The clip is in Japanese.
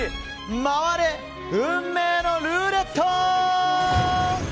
回れ、運命のルーレット！